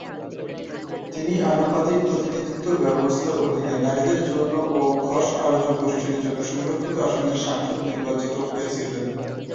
তিনি আনুপাতিক প্রতিনিধিত্ব ব্যবস্থার অধীনে নারীদের জন্য ও খস-আর্য গোষ্ঠীর জন্য সংরক্ষিত আসনে সাংসদ নির্বাচিত হয়েছিলেন।